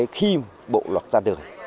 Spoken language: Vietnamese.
khi bộ luật ra đời